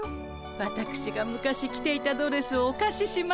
わたくしが昔着ていたドレスをおかししましたの。